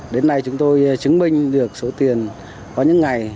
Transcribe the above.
đến nay chúng tôi chứng minh được số tiền có những ngày